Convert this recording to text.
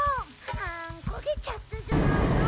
あんこげちゃったじゃないの！